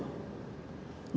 soko itu kan tiang